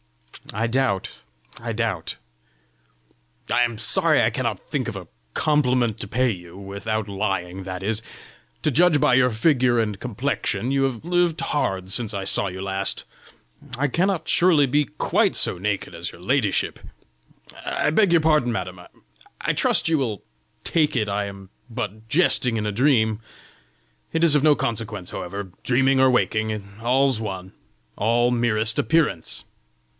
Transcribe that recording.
"I doubt! I doubt!" "I am sorry I cannot think of a compliment to pay you without lying, that is. To judge by your figure and complexion you have lived hard since I saw you last! I cannot surely be QUITE so naked as your ladyship! I beg your pardon, madam! I trust you will take it I am but jesting in a dream! It is of no consequence, however; dreaming or waking, all's one all merest appearance!